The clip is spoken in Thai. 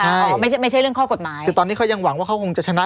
อ๋อไม่ใช่ไม่ใช่เรื่องข้อกฎหมายคือตอนนี้เขายังหวังว่าเขาคงจะชนะ